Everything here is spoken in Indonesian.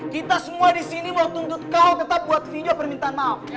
kita semua di sini mau tuntut kau tetap buat video permintaan maaf